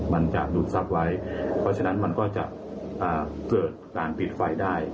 มันจะดูดทรัพย์ไว้เพราะฉะนั้นมันก็จะเกิดการปิดไฟได้